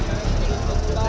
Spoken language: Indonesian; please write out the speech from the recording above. jangan jangan jangan